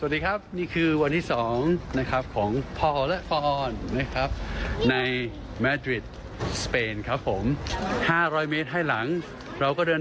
เดี๋ยวไปดูไหนกัน